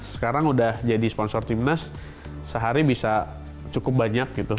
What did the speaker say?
sekarang udah jadi sponsor timnas sehari bisa cukup banyak gitu